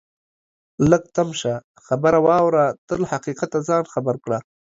لږ تم شه خبره واوره ته له حقیقته ځان خبر کړه